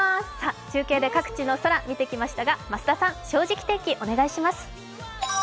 中継で各地の空を見てきましたが増田さん、「正直天気」お願いします。